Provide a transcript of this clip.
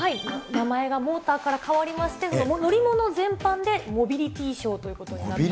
名前がモーターから変わりまして、乗り物全般で、モビリティショーということになったんですね。